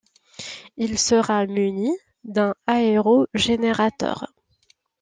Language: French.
Il sera muni d'un aérogénérateur.